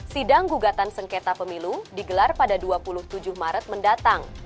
sidang gugatan sengketa pemilu digelar pada dua puluh tujuh maret mendatang